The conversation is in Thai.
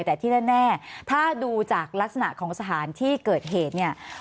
แต่ที่แน่ถ้าดูจากลักษณะของสถานที่เกิดเหตุเนี่ย